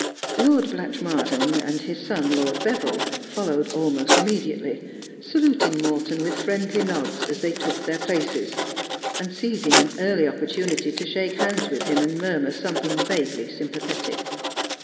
Lord Blatchmar dean and his son, Lord Beville, followed almost immediately, saluting Morton with friendly nods as they took their places, and seizing an early opportunity to shake hands with him, and mur mur something vaguely sympathetic.